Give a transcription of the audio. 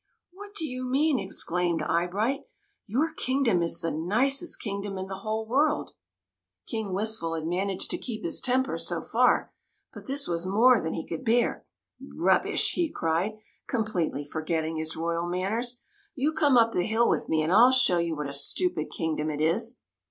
" What do you mean ?" exclaimed Eye 30 THE MAGICIAN'S TEA PARTY bright. " Your kingdom is the nicest kingdom in the whole world !" King Wistful had managed to keep his temper so far, but this was more than he could bear. " Rubbish !" he cried, completely for getting his royal manners. "You come up the hill with me, and I '11 show you what a stupid kingdom it is."